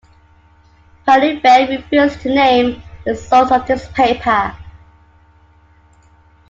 Paroubek refused to name the source of this paper.